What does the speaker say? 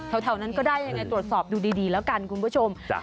แถวนั้นก็ได้ยังไงตรวจสอบดูดีแล้วกันคุณผู้ชม